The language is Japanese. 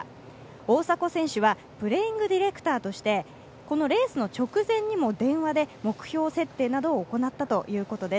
大迫選手はプレーイングディレクターとしてこのレースの直前にも電話で目標設定などを行ったということです。